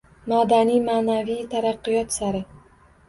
Madaniy-ma'naviy taraqqiyot sari.